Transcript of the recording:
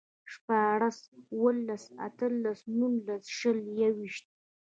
شپاړس، اووهلس، اتهلس، نولس، شل، يوويشت